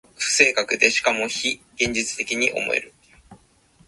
悟りの境地にいたること。